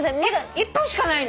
１本しかないの？